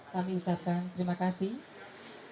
kami ucapkan terima kasih